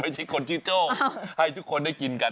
เช็คคนชื่อโจ้ให้ทุกคนได้กินกัน